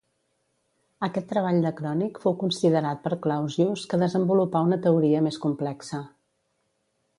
Aquest treball de Krönig fou considerat per Clausius que desenvolupà una teoria més complexa.